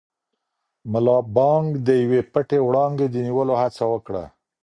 ملا بانګ د یوې پټې وړانګې د نیولو هڅه وکړه.